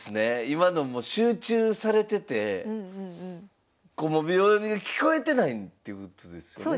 今のも集中されてて秒読みが聞こえてないっていうことですよね？